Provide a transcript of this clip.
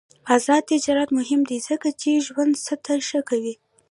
آزاد تجارت مهم دی ځکه چې ژوند سطح ښه کوي.